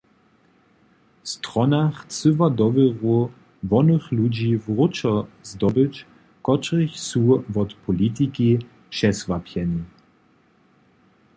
Strona chcyła dowěru wonych ludźi wróćo zdobyć, kotřiž su wot politiki přesłapjeni.